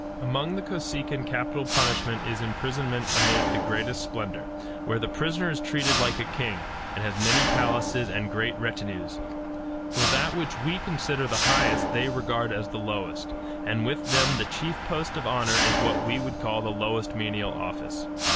Among the Kosekin capital punishment is imprisonment amid the greatest splendor, where the prisoner is treated like a king, and has many palaces and great retinues; for that which we consider the highest they regard as the lowest, and with them the chief post of honor is what we would call the lowest menial office.